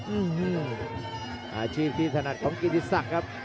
อื้อฮืออาชีพที่ถนัดของกินที่สักครับ